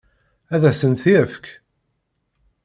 Ad asen-t-yefk?